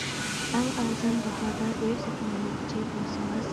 ئەڭ ئەرزان باھادا ئۆي سېتىۋالماقچى بولسىڭىز!